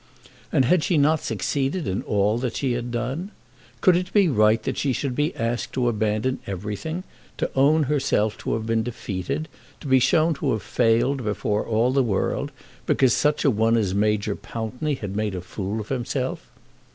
And had she not succeeded in all that she had done? Could it be right that she should be asked to abandon everything, to own herself to have been defeated, to be shown to have failed before all the world, because such a one as Major Pountney had made a fool of himself?